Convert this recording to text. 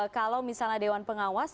kalau misalnya dewan pengawas